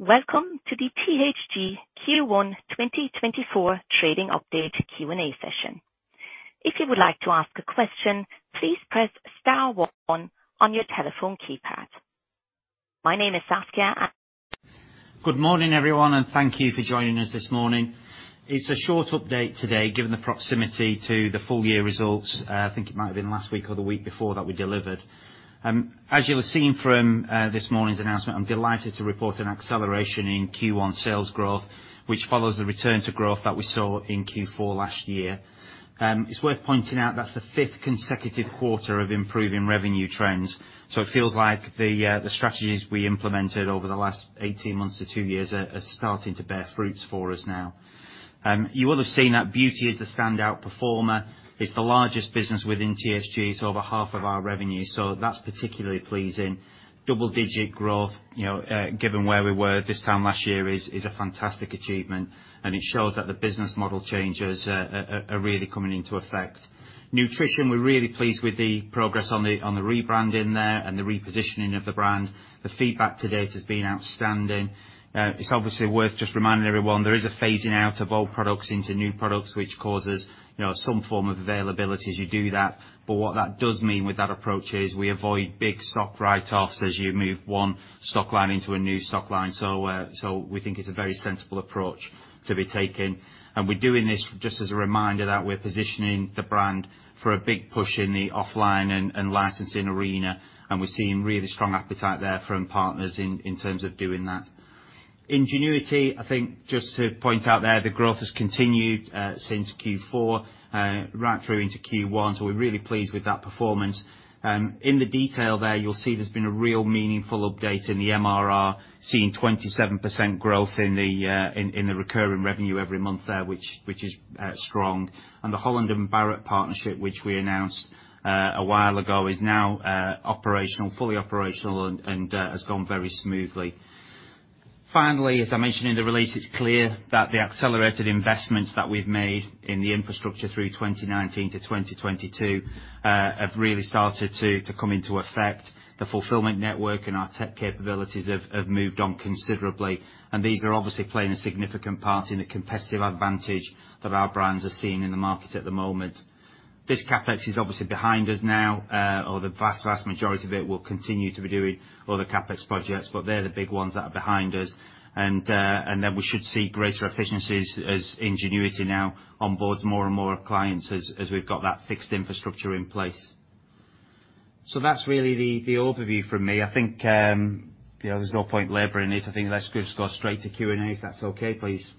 Welcome to the THG Q1 2024 Trading Update Q&A Session. If you would like to ask a question, please press star one on your telephone keypad. My name is Saskia. Good morning, everyone, and thank you for joining us this morning. It's a short update today given the proximity to the full-year results. I think it might have been last week or the week before that we delivered. As you'll have seen from this morning's announcement, I'm delighted to report an acceleration in Q1 sales growth, which follows the return to growth that we saw in Q4 last year. It's worth pointing out that's the fifth consecutive quarter of improving revenue trends, so it feels like the strategies we implemented over the last 18 months to two years are starting to bear fruits for us now. You will have seen that Beauty is the standout performer. It's the largest business within THG. It's over half of our revenue, so that's particularly pleasing. Double-digit growth, given where we were this time last year, is a fantastic achievement, and it shows that the business model changes are really coming into effect. Nutrition, we're really pleased with the progress on the rebranding there and the repositioning of the brand. The feedback to date has been outstanding. It's obviously worth just reminding everyone, there is a phasing out of old products into new products, which causes some form of availability as you do that, but what that does mean with that approach is we avoid big stock write-offs as you move one stock line into a new stock line, so we think it's a very sensible approach to be taken. We're doing this just as a reminder that we're positioning the brand for a big push in the offline and licensing arena, and we're seeing really strong appetite there from partners in terms of doing that. Ingenuity, I think just to point out there, the growth has continued since Q4 right through into Q1, so we're really pleased with that performance. In the detail there, you'll see there's been a real meaningful update in the MRR, seeing 27% growth in the recurring revenue every month there, which is strong. The Holland & Barrett partnership, which we announced a while ago, is now fully operational and has gone very smoothly. Finally, as I mentioned in the release, it's clear that the accelerated investments that we've made in the infrastructure through 2019-2022 have really started to come into effect. The fulfillment network and our tech capabilities have moved on considerably, and these are obviously playing a significant part in the competitive advantage that our brands are seeing in the market at the moment. This CapEx is obviously behind us now, or the vast, vast majority of it will continue to be doing other CapEx projects, but they're the big ones that are behind us. And then we should see greater efficiencies as Ingenuity now onboards more and more clients as we've got that fixed infrastructure in place. So that's really the overview from me. I think there's no point laboring it. I think let's just go straight to Q&A if that's okay, please.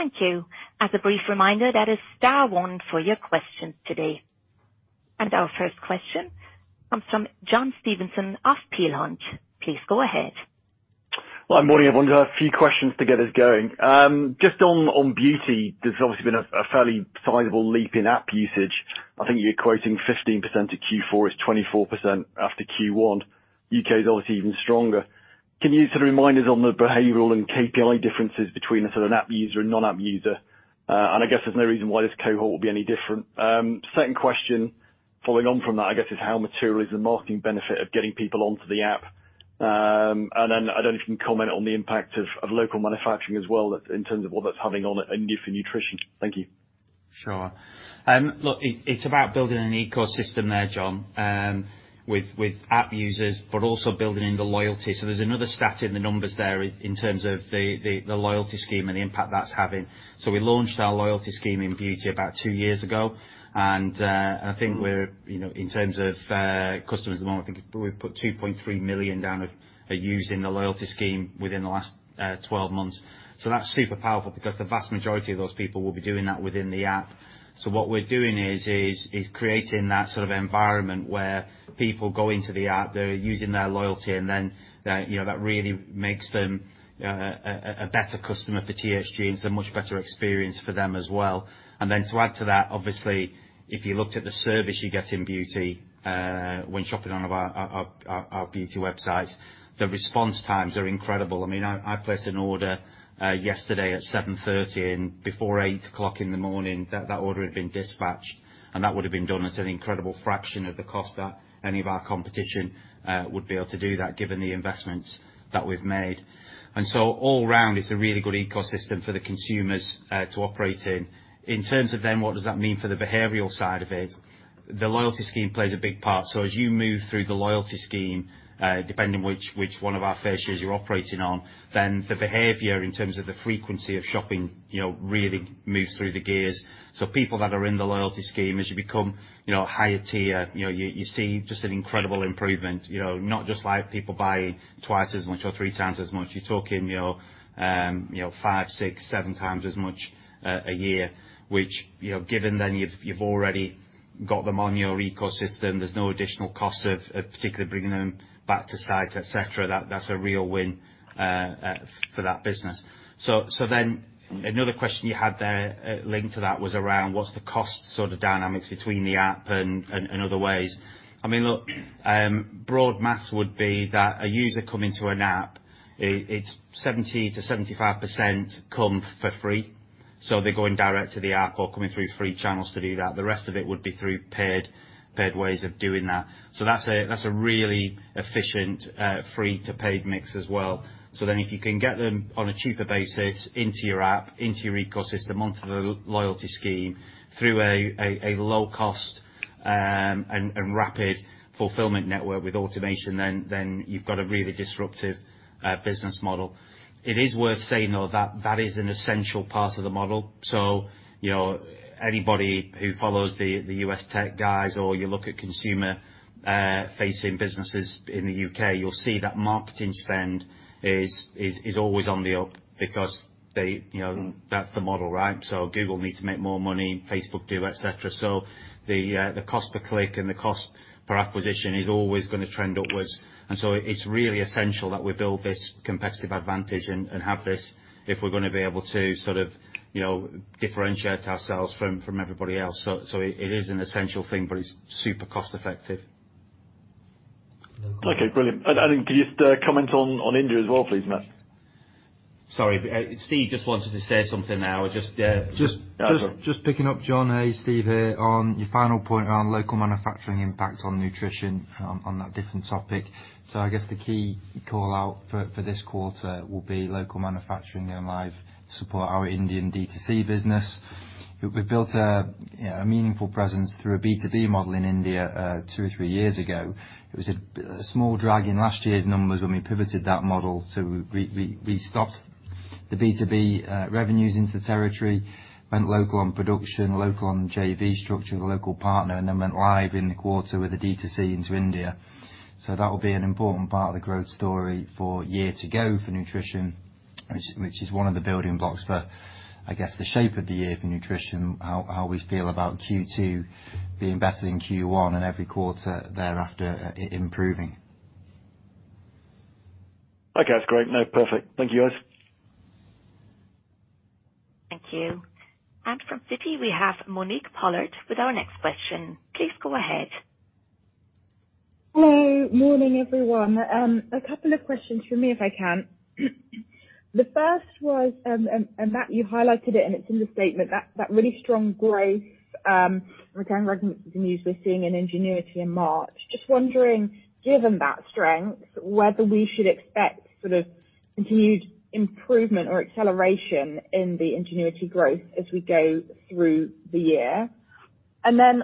Thank you. As a brief reminder, that is star one for your questions today. Our first question comes from John Stevenson of Peel Hunt. Please go ahead. Well, good morning. I wanted to have a few questions to get us going. Just on Beauty, there's obviously been a fairly sizable leap in app usage. I think you're quoting 15% at Q4, it's 24% after Q1. U.K. is obviously even stronger. Can you use sort of reminders on the behavioral and KPI differences between a sort of an app user and non-app user? And I guess there's no reason why this cohort would be any different. Second question following on from that, I guess, is how material is the marketing benefit of getting people onto the app? And then I don't know if you can comment on the impact of local manufacturing as well in terms of what that's having on it and if in nutrition. Thank you. Sure. Look, it's about building an ecosystem there, John, with app users, but also building in the loyalty. So there's another stat in the numbers there in terms of the loyalty scheme and the impact that's having. So we launched our loyalty scheme in Beauty about two years ago, and I think we're in terms of customers at the moment, I think we've put 2.3 million users in the loyalty scheme within the last 12 months. So that's super powerful because the vast majority of those people will be doing that within the app. So what we're doing is creating that sort of environment where people go into the app, they're using their loyalty, and then that really makes them a better customer for THG, and it's a much better experience for them as well. Then to add to that, obviously, if you looked at the service you get in Beauty when shopping on our Beauty websites, the response times are incredible. I mean, I placed an order yesterday at 7:30 P.M., and before 8:00 A.M., that order had been dispatched, and that would have been done at an incredible fraction of the cost that any of our competition would be able to do that given the investments that we've made. And so all round, it's a really good ecosystem for the consumers to operate in. In terms of then, what does that mean for the behavioral side of it? The loyalty scheme plays a big part. So as you move through the loyalty scheme, depending which one of our fascias you're operating on, then the behavior in terms of the frequency of shopping really moves through the gears. So people that are in the loyalty scheme, as you become higher tier, you see just an incredible improvement, not just like people buying twice as much or three times as much. You're talking five, six, seven times as much a year, which given then you've already got them on your ecosystem, there's no additional cost of particularly bringing them back to site, etc. That's a real win for that business. So then another question you had there linked to that was around what's the cost sort of dynamics between the app and other ways? I mean, look, broad maths would be that a user coming to an app, it's 70%-75% come for free. So they're going direct to the app or coming through free channels to do that. The rest of it would be through paid ways of doing that. So that's a really efficient free-to-paid mix as well. So then if you can get them on a cheaper basis into your app, into your ecosystem, onto the loyalty scheme, through a low-cost and rapid fulfillment network with automation, then you've got a really disruptive business model. It is worth saying, though, that that is an essential part of the model. So anybody who follows the U.S. tech guys or you look at consumer-facing businesses in the U.K., you'll see that marketing spend is always on the up because that's the model, right? So Google need to make more money, Facebook do, etc. So the cost per click and the cost per acquisition is always going to trend upwards. And so it's really essential that we build this competitive advantage and have this if we're going to be able to sort of differentiate ourselves from everybody else. It is an essential thing, but it's super cost-effective. Okay, brilliant. And can you comment on India as well, please, Matt? Sorry, Steve just wanted to say something now. I was just. Just picking up, John. Hey, Steve here. On your final point around local manufacturing impact on nutrition, on that different topic, so I guess the key callout for this quarter will be local manufacturing going live to support our Indian D2C business. We've built a meaningful presence through a B2B model in India two or three years ago. It was a small drag in last year's numbers when we pivoted that model to we stopped the B2B revenues into the territory, went local on production, local on JV structure, the local partner, and then went live in the quarter with a D2C into India. That will be an important part of the growth story for year to go for nutrition, which is one of the building blocks for, I guess, the shape of the year for nutrition, how we feel about Q2 being better than Q1 and every quarter thereafter improving. Okay, that's great. No, perfect. Thank you, guys. Thank you. From Citi, we have Monique Pollard with our next question. Please go ahead. Hello. Morning, everyone. A couple of questions from me, if I can. The first was, and Matt, you highlighted it, and it's in the statement, that really strong growth, return to revenue continues we're seeing in Ingenuity in March. Just wondering, given that strength, whether we should expect sort of continued improvement or acceleration in the Ingenuity growth as we go through the year. And then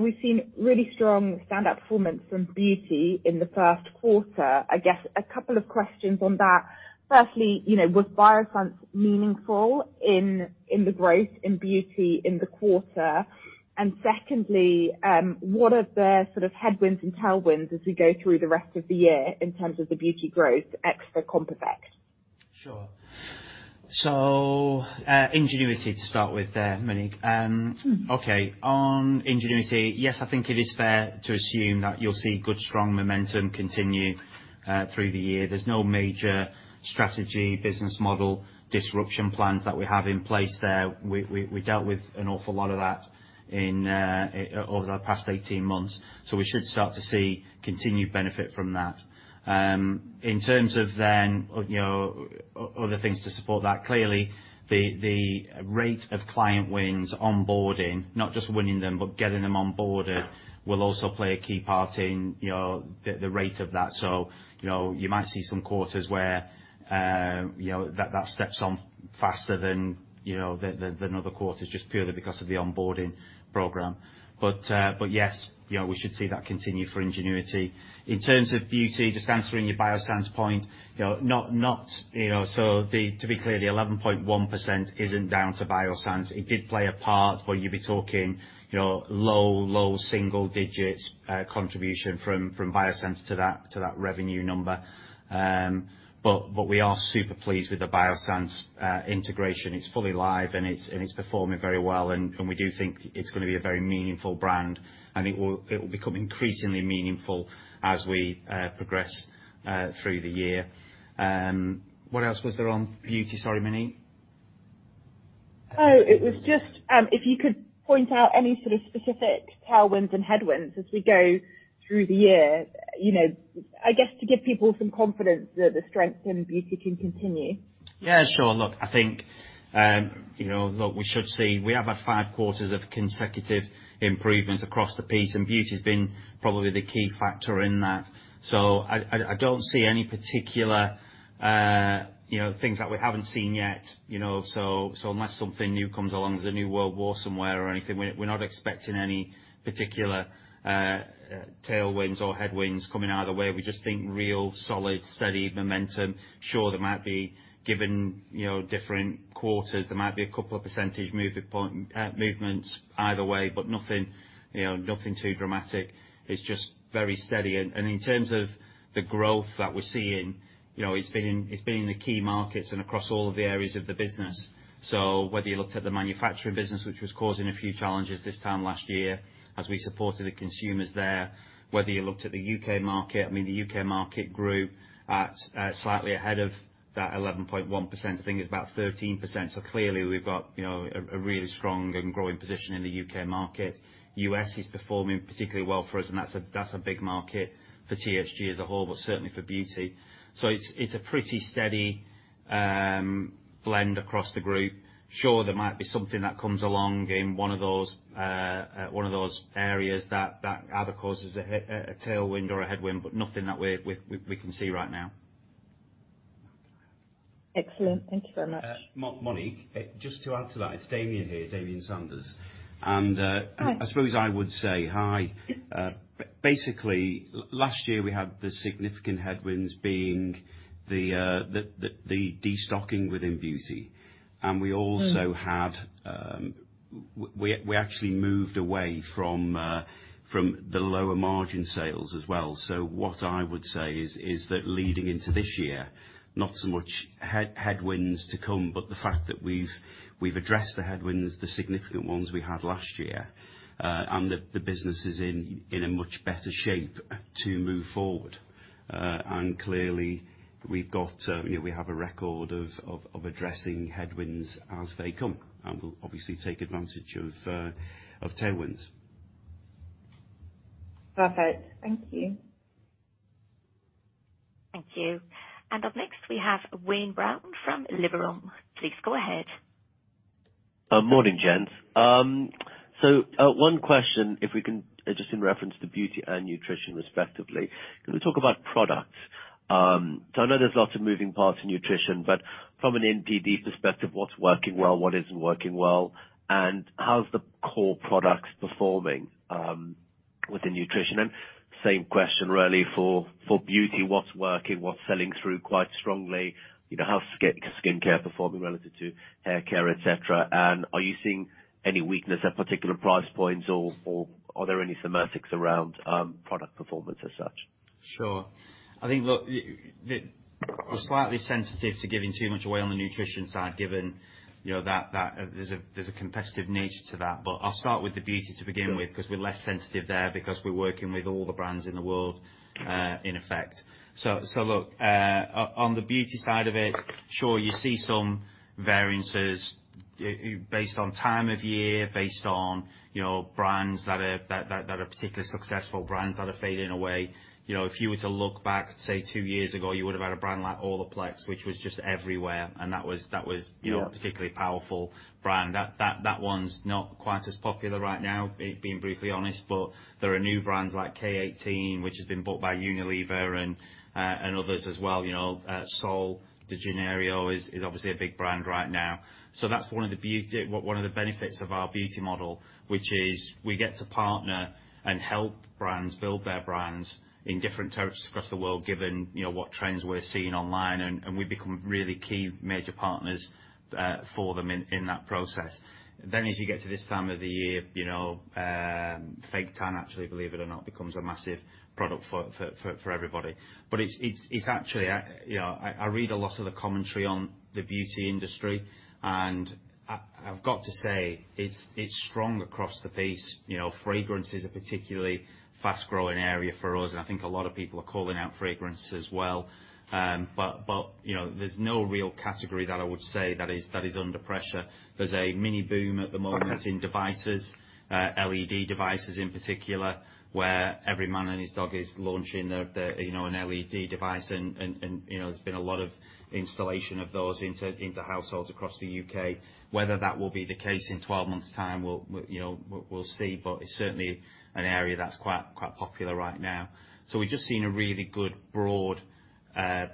we've seen really strong standout performance from Beauty in the first quarter. I guess a couple of questions on that. Firstly, was Biossance meaningful in the growth in Beauty in the quarter? And secondly, what are their sort of headwinds and tailwinds as we go through the rest of the year in terms of the Beauty growth extra comp effect? Sure. So Ingenuity to start with there, Monique. Okay. On Ingenuity, yes, I think it is fair to assume that you'll see good, strong momentum continue through the year. There's no major strategy business model disruption plans that we have in place there. We dealt with an awful lot of that over the past 18 months, so we should start to see continued benefit from that. In terms of then other things to support that, clearly, the rate of client wins onboarding, not just winning them, but getting them onboarded, will also play a key part in the rate of that. So you might see some quarters where that steps on faster than other quarters just purely because of the onboarding program. But yes, we should see that continue for Ingenuity. In terms of Beauty, just answering your Biossance point, not so to be clear, the 11.1% isn't down to Biossance. It did play a part, but you'd be talking low, low single-digit contribution from Biossance to that revenue number. But we are super pleased with the Biossance integration. It's fully live, and it's performing very well, and we do think it's going to be a very meaningful brand. I think it will become increasingly meaningful as we progress through the year. What else was there on Beauty? Sorry, Monique. Oh, it was just if you could point out any sort of specific tailwinds and headwinds as we go through the year, I guess to give people some confidence that the strength in Beauty can continue? Yeah, sure. Look, I think, look, we should see we have had five quarters of consecutive improvement across the piece, and Beauty's been probably the key factor in that. So I don't see any particular things that we haven't seen yet. So unless something new comes along, there's a new world war somewhere or anything, we're not expecting any particular tailwinds or headwinds coming either way. We just think real, solid, steady momentum. Sure, there might be given different quarters, there might be a couple of percentage movements either way, but nothing too dramatic. It's just very steady. And in terms of the growth that we're seeing, it's been in the key markets and across all of the areas of the business. So whether you looked at the manufacturing business, which was causing a few challenges this time last year as we supported the consumers there, whether you looked at the U.K. market, I mean, the U.K. market grew slightly ahead of that 11.1%. I think it's about 13%. So clearly, we've got a really strong and growing position in the U.K. market. U.S. is performing particularly well for us, and that's a big market for THG as a whole, but certainly for Beauty. So it's a pretty steady blend across the group. Sure, there might be something that comes along in one of those areas that either causes a tailwind or a headwind, but nothing that we can see right now. Excellent. Thank you very much. Monique, just to answer that, it's Damian here, Damian Sanders. And I suppose I would say hi. Basically, last year, we had the significant headwinds being the destocking within Beauty. And we also had we actually moved away from the lower margin sales as well. So what I would say is that leading into this year, not so much headwinds to come, but the fact that we've addressed the headwinds, the significant ones we had last year, and the business is in a much better shape to move forward. And clearly, we've got we have a record of addressing headwinds as they come and will obviously take advantage of tailwinds. Perfect. Thank you. Thank you. Up next, we have Wayne Brown from Liberum. Please go ahead. Morning, gents. So, one question, if we can just in reference to Beauty and nutrition, respectively. Can we talk about products? So, I know there's lots of moving parts in nutrition, but from an NPD perspective, what's working well, what isn't working well, and how's the core products performing within nutrition? And same question really for Beauty. What's working? What's selling through quite strongly? How's skincare performing relative to haircare, etc.? And are you seeing any weakness at particular price points, or are there any semantics around product performance as such? Sure. I think, look, we're slightly sensitive to giving too much away on the nutrition side given that there's a competitive nature to that. But I'll start with the Beauty to begin with because we're less sensitive there because we're working with all the brands in the world, in effect. So look, on the Beauty side of it, sure, you see some variances based on time of year, based on brands that are particularly successful, brands that are fading away. If you were to look back, say, two years ago, you would have had a brand like Olaplex, which was just everywhere, and that was a particularly powerful brand. That one's not quite as popular right now, being briefly honest. But there are new brands like K18, which has been bought by Unilever and others as well. Sol de Janeiro is obviously a big brand right now. So that's one of the benefits of our beauty model, which is we get to partner and help brands build their brands in different territories across the world given what trends we're seeing online, and we become really key major partners for them in that process. Then as you get to this time of the year, fake tan, actually, believe it or not, becomes a massive product for everybody. But it's actually, I read a lot of the commentary on the beauty industry, and I've got to say it's strong across the piece. Fragrance is a particularly fast-growing area for us, and I think a lot of people are calling out fragrance as well. But there's no real category that I would say that is under pressure. There's a mini-boom at the moment in devices, LED devices in particular, where every man and his dog is launching an LED device, and there's been a lot of installation of those into households across the U.K. Whether that will be the case in 12 months' time, we'll see, but it's certainly an area that's quite popular right now. So we've just seen a really good broad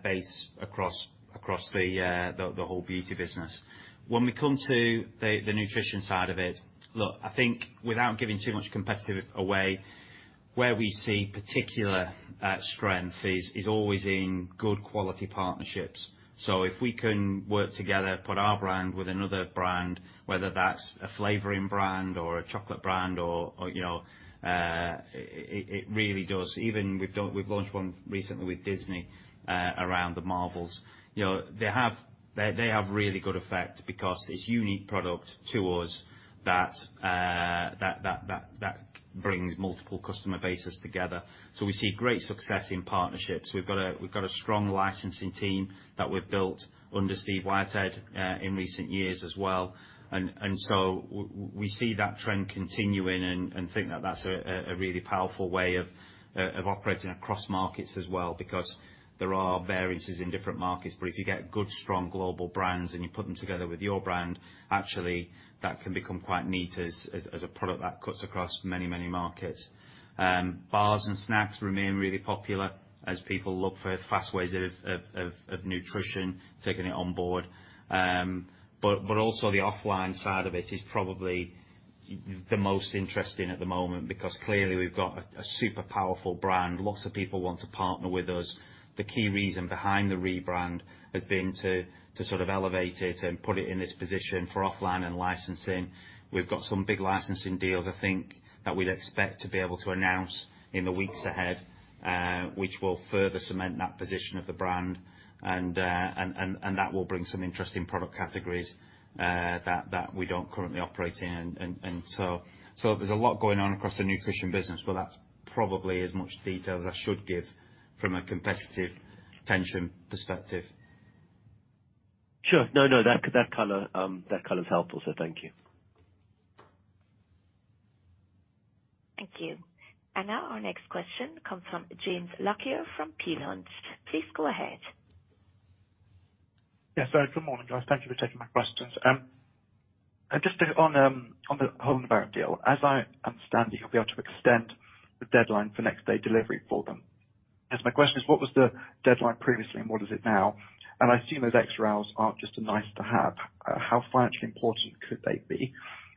base across the whole beauty business. When we come to the nutrition side of it, look, I think without giving too much competitive away, where we see particular strength is always in good-quality partnerships. So if we can work together, put our brand with another brand, whether that's a flavoring brand or a chocolate brand, or it really does. Even we've launched one recently with Disney around the Marvels. They have really good effect because it's a unique product to us that brings multiple customer bases together. So we see great success in partnerships. We've got a strong licensing team that we've built under Steve Whitehead in recent years as well. And so we see that trend continuing and think that that's a really powerful way of operating across markets as well because there are variances in different markets. But if you get good, strong global brands and you put them together with your brand, actually, that can become quite neat as a product that cuts across many, many markets. Bars and snacks remain really popular as people look for fast ways of nutrition, taking it onboard. But also the offline side of it is probably the most interesting at the moment because clearly, we've got a super powerful brand. Lots of people want to partner with us. The key reason behind the rebrand has been to sort of elevate it and put it in this position for offline and licensing. We've got some big licensing deals, I think, that we'd expect to be able to announce in the weeks ahead, which will further cement that position of the brand, and that will bring some interesting product categories that we don't currently operate in. So there's a lot going on across the nutrition business, but that's probably as much detail as I should give from a competitive tension perspective. Sure. No, no, that color is helpful, so thank you. Thank you. And now our next question comes from James Lockyer from Peel Hunt. Please go ahead. Yes, sorry. Good morning, guys. Thank you for taking my questions. And just on the Holland & Barrett deal, as I understand it, you'll be able to extend the deadline for next-day delivery for them. Yes, my question is, what was the deadline previously, and what is it now? And I assume those extra hours aren't just a nice-to-have. How financially important could they be?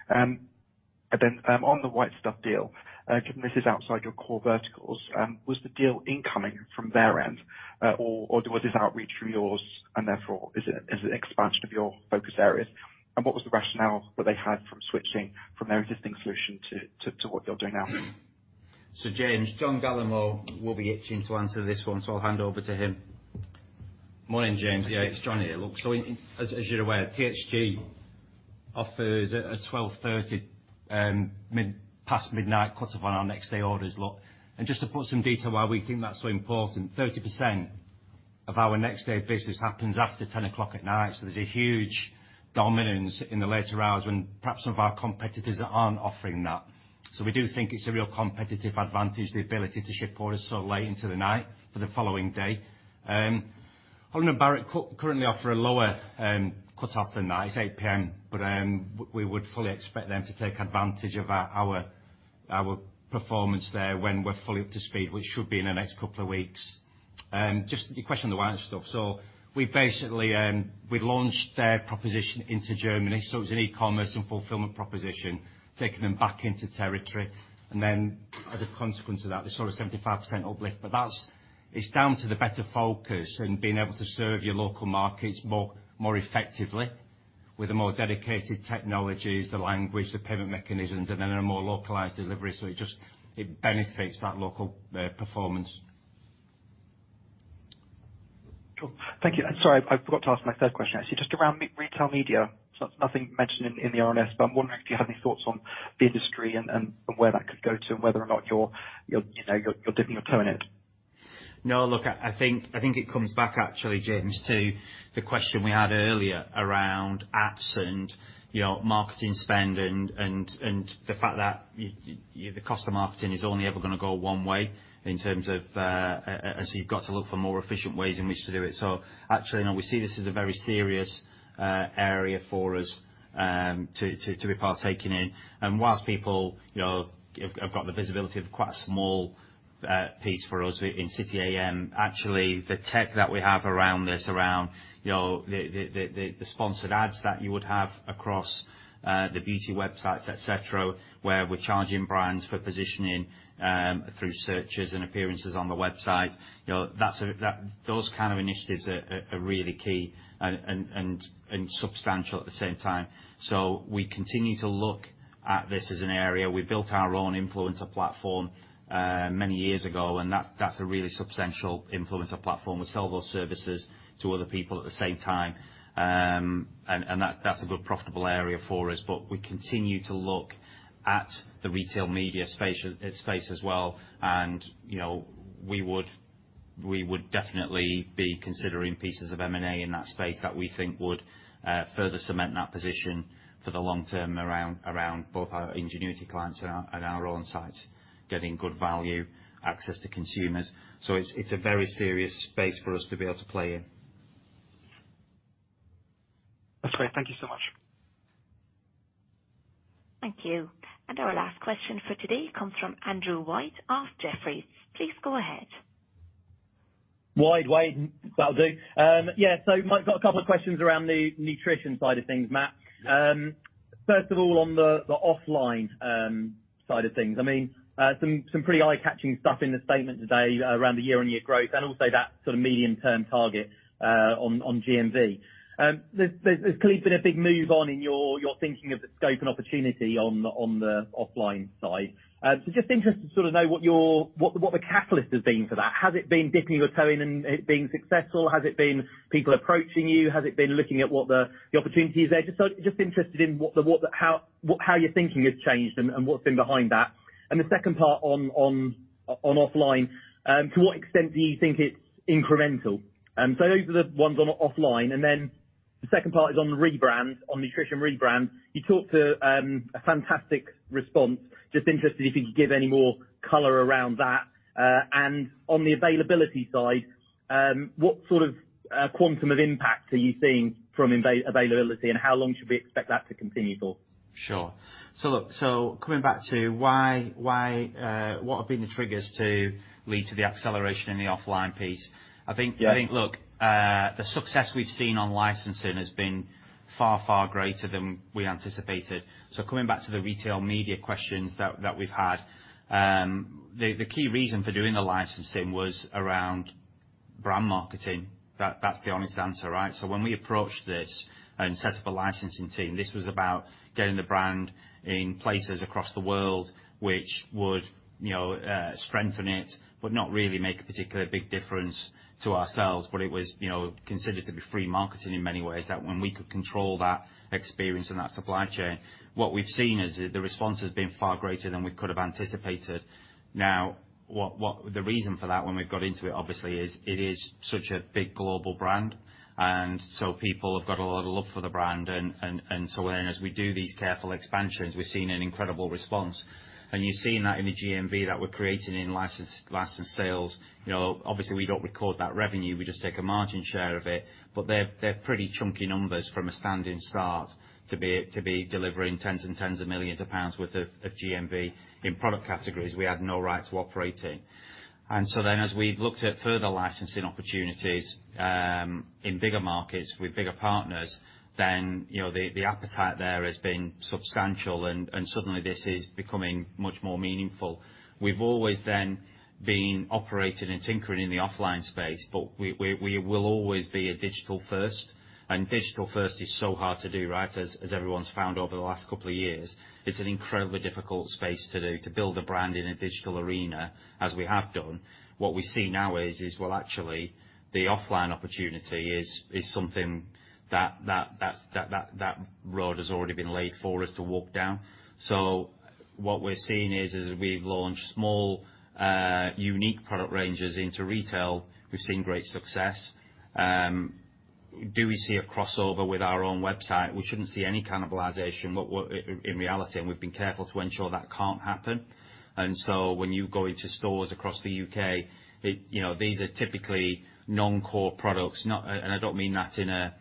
And then on the White Stuff deal, given this is outside your core verticals, was the deal incoming from their end, or was this outreach from yours, and therefore, is it an expansion of your focus areas? And what was the rationale that they had from switching from their existing solution to what you're doing now? So James, John Gallemore will be itching to answer this one, so I'll hand over to him. Morning, James. Yeah, it's John here. Look, so as you're aware, THG offers a 12:30 A.M. cut-off on our next-day orders. Look, and just to put some detail why we think that's so important, 30% of our next-day business happens after 10:00 P.M. So there's a huge dominance in the later hours when perhaps some of our competitors that aren't offering that. So we do think it's a real competitive advantage, the ability to ship orders so late into the night for the following day. Holland & Barrett currently offer a lower cut-off than that. It's 8:00 P.M., but we would fully expect them to take advantage of our performance there when we're fully up to speed, which should be in the next couple of weeks. Just your question on the White Stuff. We've launched their proposition into Germany. It was an e-commerce and fulfillment proposition, taking them back into territory. Then as a consequence of that, there's sort of a 75% uplift. But it's down to the better focus and being able to serve your local markets more effectively with the more dedicated technologies, the language, the payment mechanisms, and then a more localized delivery. It benefits that local performance. Thank you. Sorry, I forgot to ask my third question. Actually, just around retail media. So that's nothing mentioned in the RNS, but I'm wondering if you had any thoughts on the industry and where that could go to and whether or not you're dipping your toe in it. No, look, I think it comes back, actually, James, to the question we had earlier around apps and marketing spend and the fact that the cost of marketing is only ever going to go one way in terms of and so you've got to look for more efficient ways in which to do it. So actually, no, we see this as a very serious area for us to be partaking in. And whilst people have got the visibility of quite a small piece for us in City A.M., actually, the tech that we have around this, around the sponsored ads that you would have across the beauty websites, etc., where we're charging brands for positioning through searches and appearances on the website, those kind of initiatives are really key and substantial at the same time. So we continue to look at this as an area. We built our own influencer platform many years ago, and that's a really substantial influencer platform. We sell those services to other people at the same time, and that's a good profitable area for us. But we continue to look at the retail media space as well, and we would definitely be considering pieces of M&A in that space that we think would further cement that position for the long term around both our Ingenuity clients and our own sites, getting good value, access to consumers. So it's a very serious space for us to be able to play in. That's great. Thank you so much. Thank you. And our last question for today comes from Andrew Wade at Jefferies. Please go ahead. So I've got a couple of questions around the nutrition side of things, Matt. First of all, on the offline side of things, I mean, some pretty eye-catching stuff in the statement today around the year-on-year growth and also that sort of medium-term target on GMV. There's clearly been a big move on in your thinking of the scope and opportunity on the offline side. So just interested to sort of know what the catalyst has been for that. Has it been dipping your toe in and it being successful? Has it been people approaching you? Has it been looking at what the opportunity is there? Just interested in how your thinking has changed and what's been behind that. And the second part on offline, to what extent do you think it's incremental? So those are the ones on offline. Then the second part is on the rebrand, on nutrition rebrand. You talked to a fantastic response. Just interested if you could give any more color around that. On the availability side, what sort of quantum of impact are you seeing from availability, and how long should we expect that to continue for? Sure. So look, so coming back to what have been the triggers to lead to the acceleration in the offline piece, I think, look, the success we've seen on licensing has been far, far greater than we anticipated. So coming back to the retail media questions that we've had, the key reason for doing the licensing was around brand marketing. That's the honest answer, right? So when we approached this and set up a licensing team, this was about getting the brand in places across the world which would strengthen it but not really make a particularly big difference to ourselves. But it was considered to be free marketing in many ways, that when we could control that experience and that supply chain, what we've seen is the response has been far greater than we could have anticipated. Now, the reason for that when we've got into it, obviously, is it is such a big global brand, and so people have got a lot of love for the brand. And so then, as we do these careful expansions, we've seen an incredible response. And you've seen that in the GMV that we're creating in licensed sales. Obviously, we don't record that revenue. We just take a margin share of it. But they're pretty chunky numbers from a standing start to be delivering tens and tens of millions of GBP worth of GMV in product categories we had no right to operate in. And so then, as we've looked at further licensing opportunities in bigger markets with bigger partners, then the appetite there has been substantial, and suddenly, this is becoming much more meaningful. We've always then been operating and tinkering in the offline space, but we will always be a digital-first. Digital-first is so hard to do, right, as everyone's found over the last couple of years. It's an incredibly difficult space to do, to build a brand in a digital arena as we have done. What we see now is, well, actually, the offline opportunity is something that that road has already been laid for us to walk down. What we're seeing is, as we've launched small, unique product ranges into retail, we've seen great success. Do we see a crossover with our own website? We shouldn't see any cannibalization, in reality, and we've been careful to ensure that can't happen. So when you go into stores across the U.K., these are typically non-core products. I don't mean that in a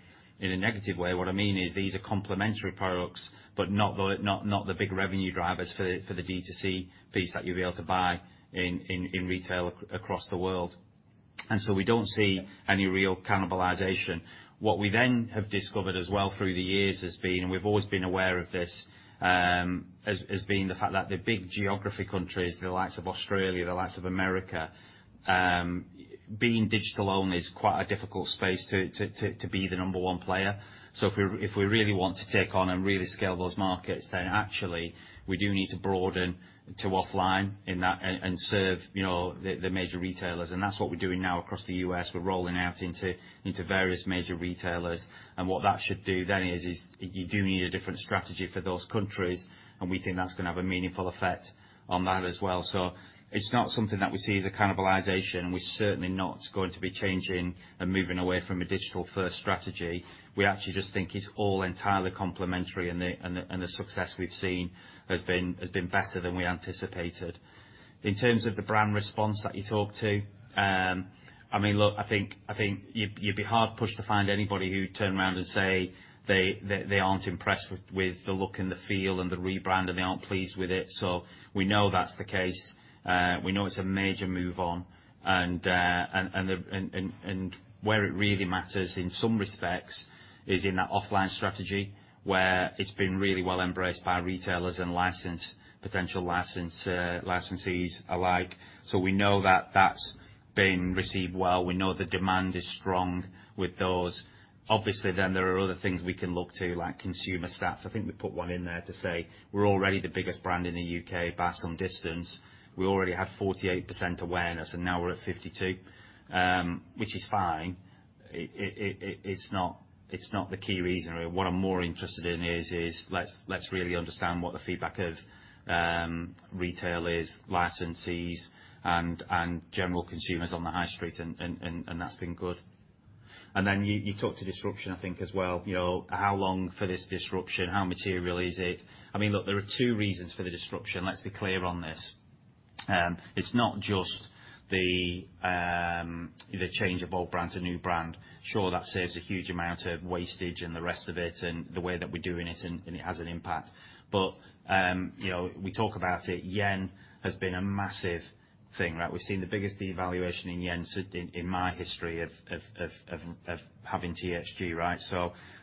negative way. What I mean is, these are complementary products but not the big revenue drivers for the DTC piece that you'll be able to buy in retail across the world. So we don't see any real cannibalization. What we then have discovered as well through the years has been and we've always been aware of this as being the fact that the big geography countries, the likes of Australia, the likes of America, being digital-only is quite a difficult space to be the number one player. So if we really want to take on and really scale those markets, then actually, we do need to broaden to offline and serve the major retailers. And that's what we're doing now across the U.S. We're rolling out into various major retailers. What that should do then is, you do need a different strategy for those countries, and we think that's going to have a meaningful effect on that as well. So it's not something that we see as a cannibalization, and we're certainly not going to be changing and moving away from a digital-first strategy. We actually just think it's all entirely complementary, and the success we've seen has been better than we anticipated. In terms of the brand response that you talked to, I mean, look, I think you'd be hard-pushed to find anybody who'd turn around and say they aren't impressed with the look and the feel and the rebrand, and they aren't pleased with it. So we know that's the case. We know it's a major move on. And where it really matters in some respects is in that offline strategy where it's been really well embraced by retailers and potential licensees alike. So we know that that's been received well. We know the demand is strong with those. Obviously, then there are other things we can look to, like consumer stats. I think we put one in there to say, "We're already the biggest brand in the U.K. by some distance. We already had 48% awareness, and now we're at 52," which is fine. It's not the key reason, really. What I'm more interested in is, let's really understand what the feedback of retailers, licensees, and general consumers on the high street, and that's been good. And then you talked to disruption, I think, as well. How long for this disruption? How material is it? I mean, look, there are two reasons for the disruption. Let's be clear on this. It's not just the change of old brand to new brand. Sure, that saves a huge amount of wastage and the rest of it and the way that we're doing it, and it has an impact. But we talk about it. Yen has been a massive thing, right? We've seen the biggest devaluation in yen in my history of having THG, right?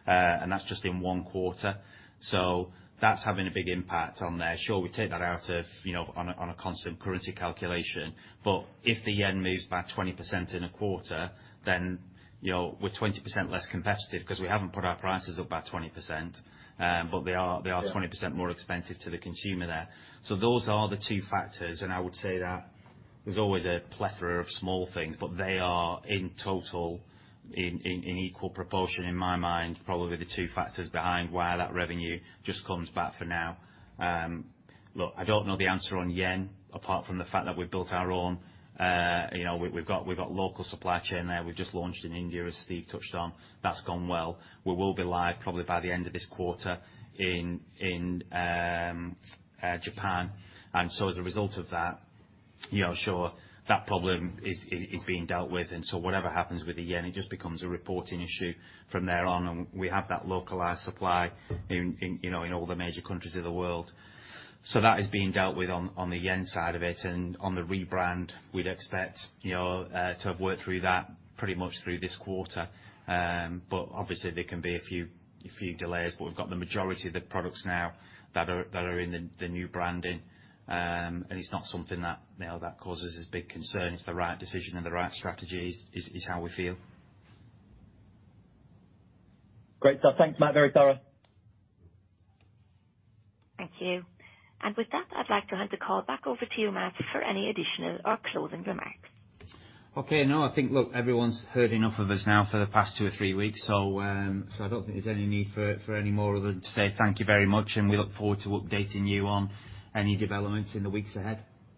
And that's just in one quarter. So that's having a big impact on there. Sure, we take that out on a constant currency calculation, but if the yen moves by 20% in a quarter, then we're 20% less competitive because we haven't put our prices up by 20%, but they are 20% more expensive to the consumer there. So those are the two factors. I would say that there's always a plethora of small things, but they are in total, in equal proportion, in my mind, probably the two factors behind why that revenue just comes back for now. Look, I don't know the answer on yen apart from the fact that we've built our own. We've got local supply chain there. We've just launched in India, as Steve touched on. That's gone well. We will be live probably by the end of this quarter in Japan. So as a result of that, sure, that problem is being dealt with. Whatever happens with the yen, it just becomes a reporting issue from there on. We have that localized supply in all the major countries of the world. That is being dealt with on the yen side of it. On the rebrand, we'd expect to have worked through that pretty much through this quarter. Obviously, there can be a few delays. We've got the majority of the products now that are in the new branding, and it's not something that causes us big concern. It's the right decision and the right strategy is how we feel. Great. So thanks, very much. Thank you. With that, I'd like to hand the call back over to you, Matt, for any additional or closing remarks. Okay. No, I think, look, everyone's heard enough of us now for the past two or three weeks, so I don't think there's any need for any more other than to say thank you very much, and we look forward to updating you on any developments in the weeks ahead.